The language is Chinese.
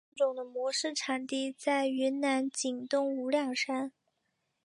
该物种的模式产地在云南景东无量山。